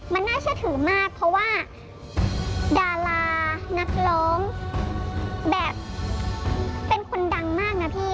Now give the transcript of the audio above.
มันน่าเชื่อถือมากเพราะว่าดารานักร้องแบบเป็นคนดังมากนะพี่